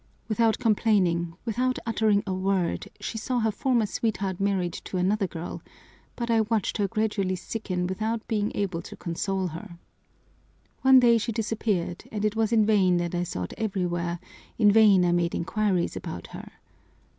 Without complaining, without uttering a word, she saw her former sweetheart married to another girl, but I watched her gradually sicken without being able to console her. One day she disappeared, and it was in vain that I sought everywhere, in vain I made inquiries about her.